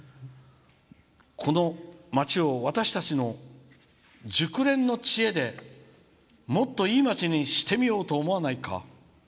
この町を私たちの熟練の知恵でもっといい町にしてみようと思わないか。